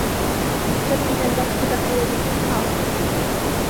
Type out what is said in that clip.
كم من الوقت بقي للإفطار؟